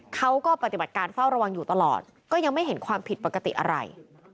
เขาก็ปฏิบัติการเฝ้าระวังอยู่ตลอดก็ยังไม่เห็นความผิดปกติอะไร